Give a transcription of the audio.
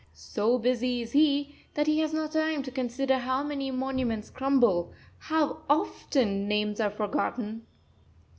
So busy is he that he has not time to consider how many monuments crumble, how often names are forgotten!